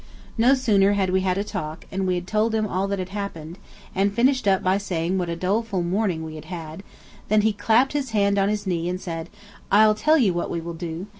No sooner had we had a talk, and we had told him all that had happened, and finished up by saying what a doleful morning we had had, than he clapped his hand on his knees and said, "I'll tell you what we will do.